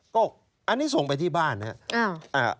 ก็อันนี้ส่งไปที่บ้านนะครับ